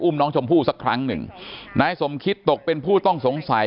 น้องชมพู่สักครั้งหนึ่งนายสมคิตตกเป็นผู้ต้องสงสัย